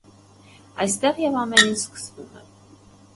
Այստեղ և ամեն ինչ սկսվում է։